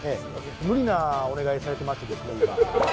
無理なお願いされてましてですね今。